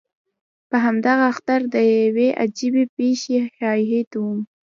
په همدغه اختر کې د یوې عجیبې پېښې شاهد وم.